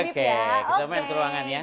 oke kita main ke ruangan ya